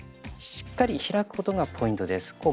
しっかり開くことがポイントです。